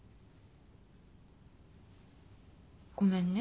ごめんね。